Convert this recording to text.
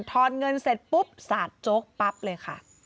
อนเงินเสร็จปุ๊บสาดโจ๊กปั๊บเลยค่ะ